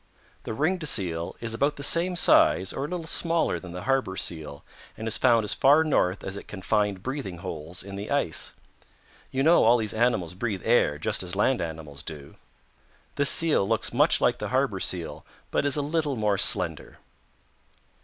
"The Ringed Seal is about the same size or a little smaller than the Harbor Seal and is found as far north as it can find breathing holes in the ice. You know all these animals breathe air just as land animals do. This Seal looks much like the Harbor Seal, but is a little more slender.